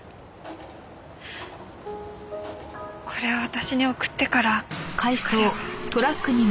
これを私に送ってから彼は。